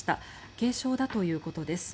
軽傷だということです。